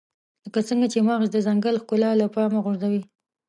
لکه څنګه چې مغز د ځنګل ښکلا له پامه غورځوي.